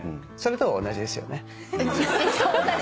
それと同じですよね？